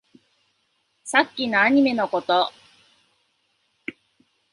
さっきのアニメのこと